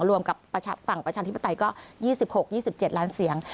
รวมกับฝั่งประชาธิปไตยก็๒๖๒๗ล้านเสียง